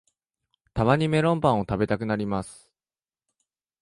たまにメロンパンを食べたくなります